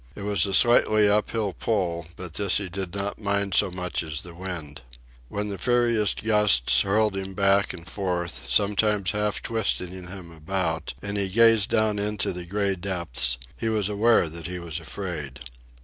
It was a slightly up hill pull, but this he did not mind so much as the wind. When the furious gusts hurled him back and forth, sometimes half twisting him about, and he gazed down into the gray depths, he was aware that he was afraid.